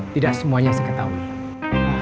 tidak semuanya seketahui